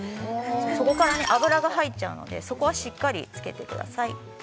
そこから油が入っちゃうのでそこはしっかりつけてください。